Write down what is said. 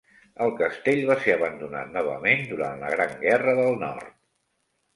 El castell va ser abandonat novament durant la Gran Guerra del Nord.